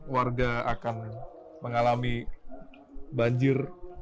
warga akan mengalami banjir